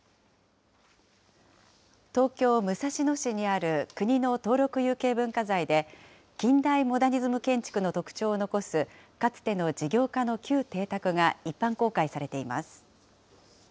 東京・武蔵野市にある国の登録有形文化財で、近代モダニズム建築の特徴を残す、かつての実業家の旧邸宅が一般公開されています。